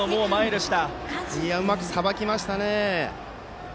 うまくさばきましたね。